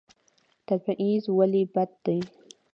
تبعیض ولې بد دی؟